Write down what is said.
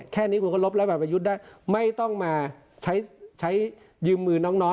แค่นี้คุณลบระบันประยุทธ์ได้ไม่ต้องมาใช้ยืมมือน้องน้อย